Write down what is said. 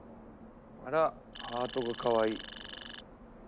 あらハートがかわいい。